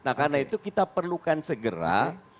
nah karena itu kita perlukan segera